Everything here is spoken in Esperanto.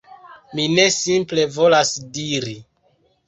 Mi ne simple volas diri: